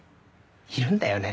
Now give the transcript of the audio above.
いるんだよね。